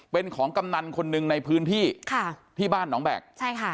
เป็นของกำนันคนหนึ่งในพื้นที่ค่ะที่บ้านหนองแบกใช่ค่ะ